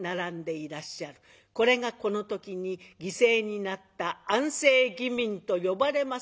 これがこの時に犠牲になった安政義民と呼ばれます